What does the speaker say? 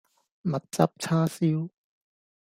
蜜汁叉燒